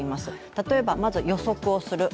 例えば、まず予測をする。